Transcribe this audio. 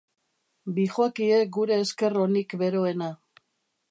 Bihoakie gure esker onik beroena.